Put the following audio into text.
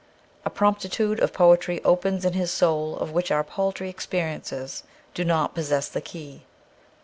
A promptitude of poetry opens in his soul of which our paltry experi ences do not possess the key.